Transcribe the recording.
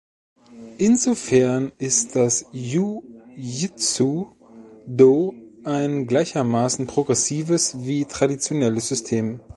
Insofern ist das Ju Jutsu Do ein gleichermaßen progressives wie traditionelles System.